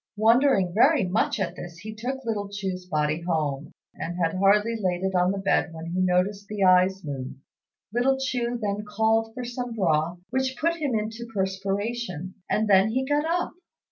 Wondering very much at this, he took little Chu's body home, and had hardly laid it on the bed when he noticed the eyes move. Little Chu then called for some broth, which put him into a perspiration, and then he got up.